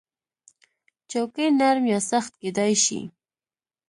چوکۍ نرم یا سخت کېدای شي.